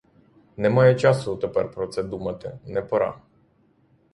Немає часу тепер про це думати, не пора.